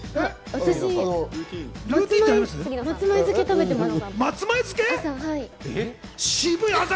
私、松前漬け食べています、朝。